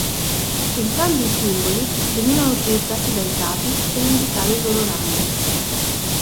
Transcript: Entrambi i simboli venivano utilizzati dai capi per indicare il loro rango.